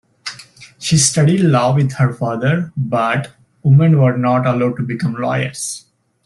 She studied law with her father, but women were not allowed to become lawyers.